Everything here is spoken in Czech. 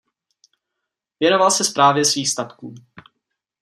Věnoval se správě svých statků.